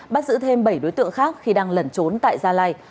bắt giữ thêm bảy đối tượng khác khi đang lẩn trốn tại gia lai